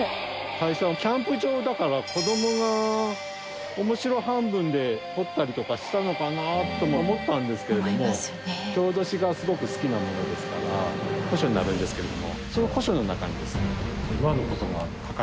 最初キャンプ場だから子供が面白半分で彫ったりとかしたのかなとも思ったんですけれども郷土史がすごく好きなものですから古書になるんですけれどもその古書の中にですね。